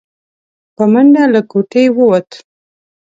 په منډه له کوټې ووت.